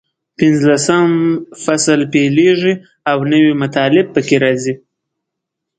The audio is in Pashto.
پینځلسم فصل پیلېږي او نوي مطالب پکې راځي.